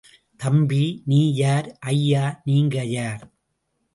தம்பி, நீ யார்? ஐயா, நீங்க யார்?